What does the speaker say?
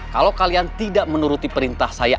kalau kalian tidak menuruti perintah saya